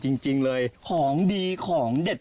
ธรรมชาติธรรมชาติธรรมชาติ